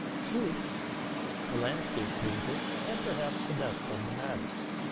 Schiitz, the landscape painter, had perhaps the best of the matter.